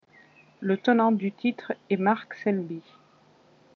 Le tenant du titre est Mark Selby.